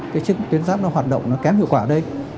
cái chức tuyến giáp nó hoạt động nó kém hiệu quả đây